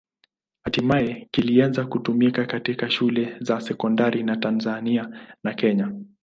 Hatimaye kilianza kutumika katika shule za sekondari za Tanzania na Kenya.